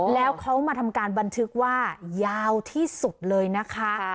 แล้วเขามาทำการบันทึกว่ายาวที่สุดเลยนะคะ